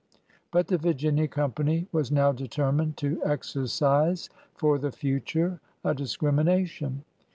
But the Virginia Company was now determined to exercise for the future a discrimination.